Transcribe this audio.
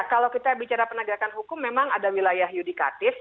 kalau kita bicara penegakan hukum memang ada wilayah yudikatif